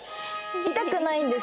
痛くないんです。